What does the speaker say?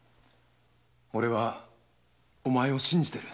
俺はお前を信じてる。